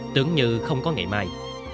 tưởng như không có ngày mai